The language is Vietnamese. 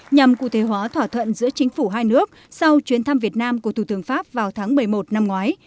nhằm cụ thể hóa thỏa thuận giữa chính phủ hai nước sau chuyến thăm việt nam của thủ tướng pháp vào tháng một mươi một năm ngoái